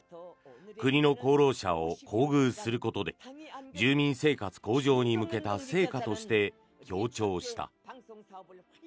国の功労者を厚遇することで住民生活向上に向けた成果として強調した。